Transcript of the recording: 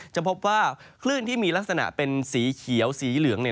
จะพบว่าคลื่นที่มีลักษณะเป็นสีเขียวสีเหลือง